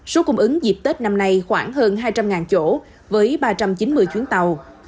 số cung ứng dịp tết năm nay khoảng hơn hai trăm linh chỗ với ba trăm chín mươi chuyến tàu